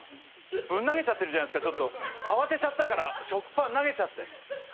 ぶん投げちゃってるじゃないですかちょっと慌てちゃったから食パン投げちゃって。